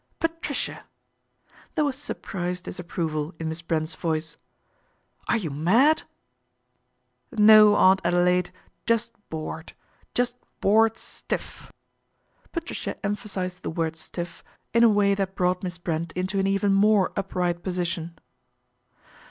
" Patricia !" There was surprised disapproval in Miss Brent's voice. " Are you mad ?" "No, Aunt Adelaide, just bored, just bored stiff." Patricia emphasised the word " stiff " in a way that brought Miss Brent into an even more upright position.